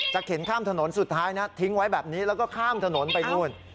เข็นข้ามถนนสุดท้ายนะทิ้งไว้แบบนี้แล้วก็ข้ามถนนไปนู่น